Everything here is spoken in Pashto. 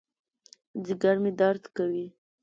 ځېګر مې درد کوي